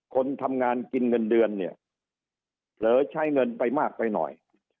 คนทำงานกินเงินเดือนเนี่ยเผลอใช้เงินไปมากไปหน่อย